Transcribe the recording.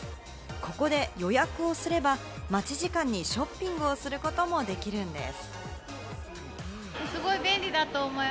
ここで予約をすれば待ち時間にショッピングをすることもできるんです。